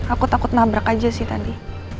aku takut nabrak aja sih tadi